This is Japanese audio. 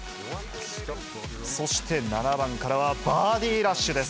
そして７番からは、バーディーラッシュです。